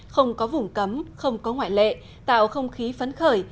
không có vùng cấm không có ngoại lệ tạo không khí phấn khởi